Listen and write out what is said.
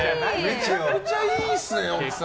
めちゃくちゃいいですね、奥さん。